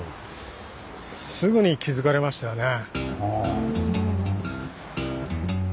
すぐに気付かれましたね。